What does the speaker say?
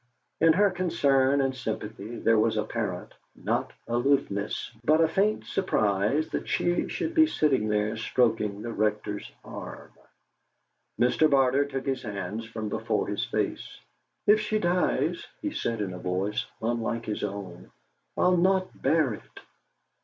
In her concern and sympathy there was apparent, not aloofness, but a faint surprise that she should be sitting there stroking the Rector's arm. Mr. Barter took his hands from before his face. "If she dies," he said in a voice unlike his own, "I'll not bear it."